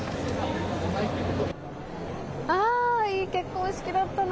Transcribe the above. ああ、いい結婚式だったな。